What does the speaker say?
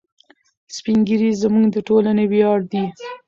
سپین ږیري زموږ د ټولنې ویاړ دي.